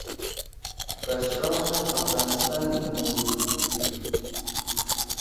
قشقاش افغانستان می بودی۔